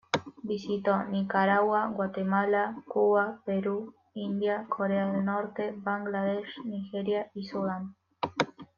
Visitó Nicaragua, Guatemala, Cuba, Perú, India, Corea del Norte, Bangladesh, Nigeria, y Sudán.